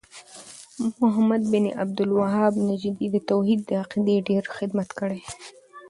محمد بن عبد الوهاب نجدي د توحيد د عقيدې ډير خدمت کړی